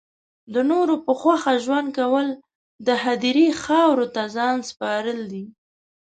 د نورو په خوښه ژوند کول د هدیرې خاورو ته ځان سپارل دی